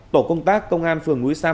tổ công tác công an phường núi sam